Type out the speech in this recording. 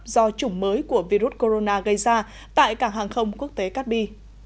do chủng mới của virus corona gây ra tại cảng hàng không quốc tế cát bi